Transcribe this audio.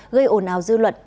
gây ồn ào dư luận